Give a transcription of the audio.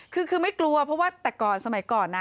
คือไม่กลัวเพราะว่าแต่ก่อนสมัยก่อนนะ